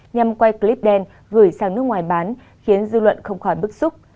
nhằm quay clip đen gửi sang nước ngoài bán khiến dư luận không khỏi bức xúc